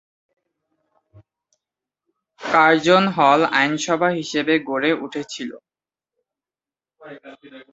Curzon Hall আইনসভা হিসেবে গড়ে উঠেছিল।